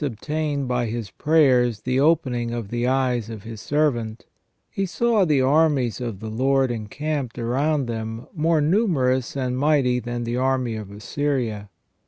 247 obtained by his prayer the opening of the eyes of his servant, he saw the armies of the Lord encamped around them more numerous and mighty than the army of Assyria.